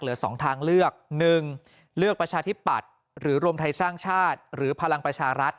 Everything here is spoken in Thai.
เหลือ๒ทางเลือก๑เลือกประชาธิปัตย์หรือรวมไทยสร้างชาติหรือพลังประชารัฐ